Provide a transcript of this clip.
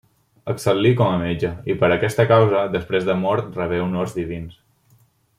Excel·lí com a metge i, per aquesta causa, després de mort rebé honors divins.